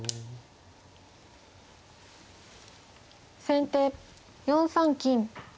先手４三金。